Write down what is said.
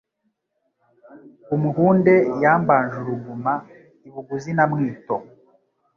umuhunde yambanje uruguma i Buguzi na Mwito,